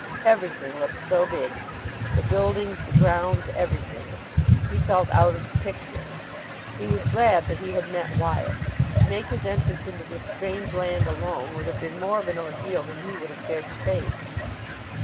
Everything looked so big the buildings, the grounds, everything. He felt out of the picture. He was glad that he had met Wyatt. To make his entrance into this strange land alone would have been more of an ordeal than he would have cared to face.